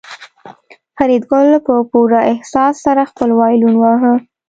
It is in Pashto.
فریدګل په پوره احساس سره خپل وایلون واهه